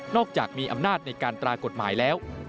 อกจากมีอำนาจในการตรากฎหมายแล้ว